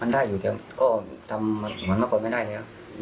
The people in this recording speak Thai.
มันได้อยู่แต่ก็ทำเหมือนเมื่อก่อนไม่ได้แล้ว